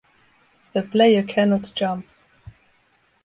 The player cannot jump.